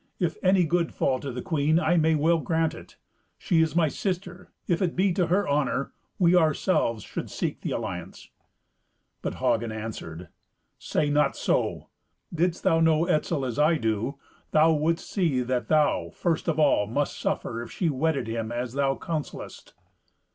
"If any good fall to the queen, I may well grant it. She is my sister. If it be to her honour, we ourselves should seek the alliance." But Hagen answered, "Say not so. Didst thou know Etzel as I do, thou wouldst see that thou, first of all, must suffer if she wedded him as thou counsellest."